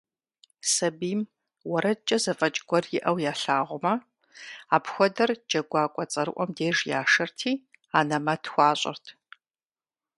Сабийм уэрэдкӀэ зэфӀэкӀ гуэр иӀэу ялъагъумэ, апхуэдэр джэгуакӀуэ цӀэрыӀуэм деж яшэрти анэмэт хуащӀырт.